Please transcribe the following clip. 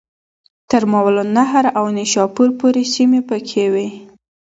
تر ماوراءالنهر او نیشاپور پوري سیمي پکښي وې.